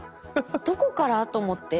「どこから？」と思って。